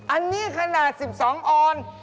อันนี้ขนาด๑๒ออน